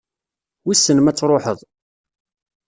Wissen ma ad truḥeḍ?